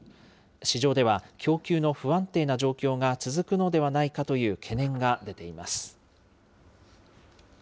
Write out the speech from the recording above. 市場では、供給の不安定な状況が続くのではないかという懸念が出ています。